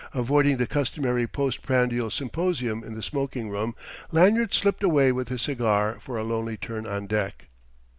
Avoiding the customary post prandial symposium in the smoking room, Lanyard slipped away with his cigar for a lonely turn on deck.